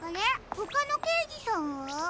ほかのけいじさんは？